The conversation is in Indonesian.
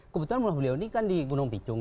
kebetulan beliau ini kan di gunung picung